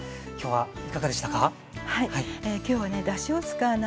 はい。